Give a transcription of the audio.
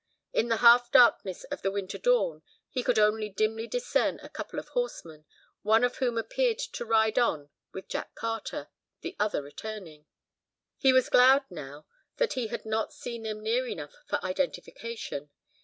In the half darkness of the winter dawn he could only dimly discern a couple of horsemen, one of whom appeared to ride on with Jack Carter, the other returning. He was glad now that he had not seen them near enough for identification.